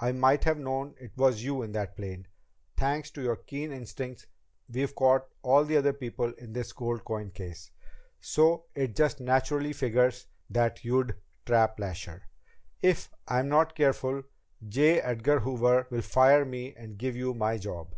"I might have known it was you in that plane. Thanks to your keen instincts, we've caught all the other people in this gold coin case, so it just naturally figures that you'd trap Lasher. If I'm not careful, J. Edgar Hoover will fire me and give you my job."